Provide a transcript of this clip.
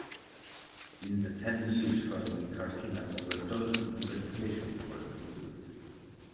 In the ten years following Katrina over a dozen investigations were conducted.